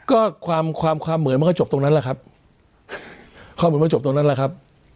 ก็ความเหมือนมันก็จบตรงนั้นแหละครับความเหมือนมันก็จบตรงนั้นแหละครับ